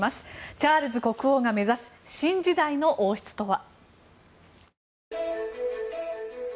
チャールズ国王が目指す新時代の王室とは。